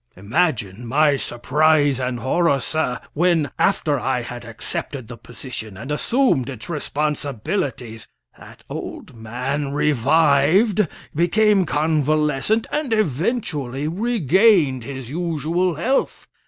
Imagine my surprise and horror, sir, when, after I had accepted the position and assumed its responsibilities, that old man revived, became convalescent, and eventually regained his usual health.